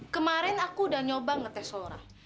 kemarin aku udah nyoba ngetes solora